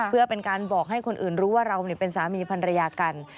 เพื่อเป็นการบอกให้คนอื่นรู้ว่าเราเป็นสามีพันรยากัน